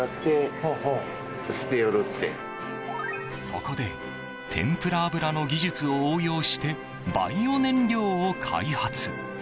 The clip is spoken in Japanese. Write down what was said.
そこで天ぷら油の技術を応用してバイオ燃料を開発。